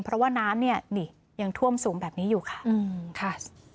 เพราะว่าน้ำเนี่ยนี่ยังท่วมสูงแบบนี้อยู่ค่ะ